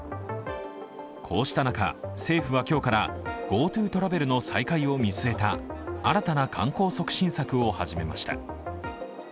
こうした中、政府は今日からＧｏＴｏトラベルの再開を見据えた新たな観光促進策を始めました。